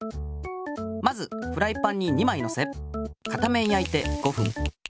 まずフライパンに２まいのせ片面やいて５ふん。